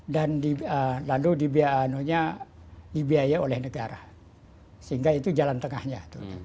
dan lalu dibiaya oleh negara sehingga itu jalan tengahnya